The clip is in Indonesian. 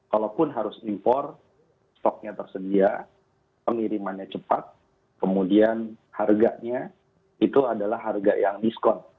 kalaupun harus impor stoknya tersedia pengirimannya cepat kemudian harganya itu adalah harga yang diskon